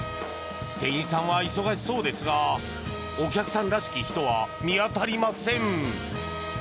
店員さんは忙しそうですがお客さんらしき人は見当たりません。